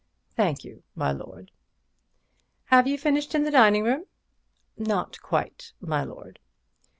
"Thank you, my lord." "Have you finished in the dining room?" "Not quite, my lord."